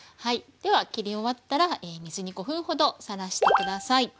では切り終わったら水に５分ほどさらして下さい。